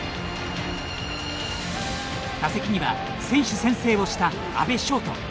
打席には選手宣誓をした阿部翔人。